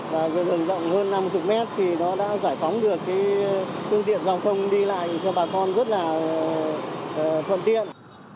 và rừng rộng hơn năm mươi mét thì nó đã giải phóng được cái thương tiện giao thông đi lại cho bà con rất là phần tiện